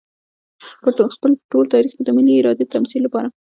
په خپل ټول تاريخ کې د ملي ارادې د تمثيل لپاره.